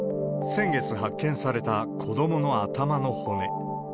先月発見された、子どもの頭の骨。